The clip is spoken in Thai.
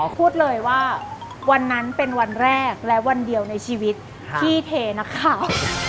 พูดเลยว่าวันนั้นเป็นวันแรกและวันเดียวในชีวิตที่เทนักข่าว